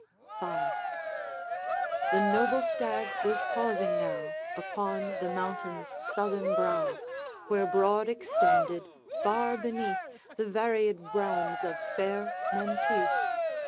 V. The noble stag was pausing now Upon the mountain's southern brow, Where broad extended, far beneath, The varied realms of fair Menteith.